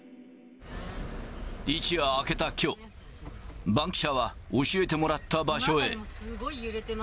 一夜明けたきょう、バンキシャは教えてもらった場所へ。